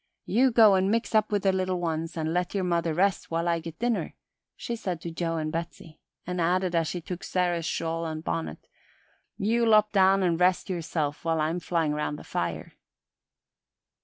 "You go and mix up with the little ones and let yer mother rest while I git dinner," she said to Joe and Betsey, and added as she took Sarah's shawl and bonnet: "You lop down an' rest yerself while I'm flyin' around the fire."